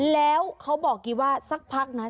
แล้วเขาบอกกี้ว่าสักพักนะ